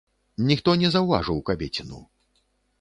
Ніхто не заўважыў кабеціну.